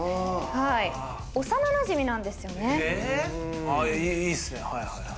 幼なじみなんですよね。